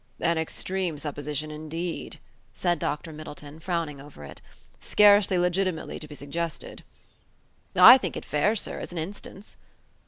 "An extreme supposition, indeed," said Dr. Middleton, frowning over it; "scarcely legitimately to be suggested." "I think it fair, sir, as an instance."